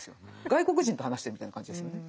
外国人と話してるみたいな感じですよね。